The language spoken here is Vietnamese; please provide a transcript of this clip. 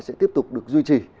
sẽ tiếp tục được duy trì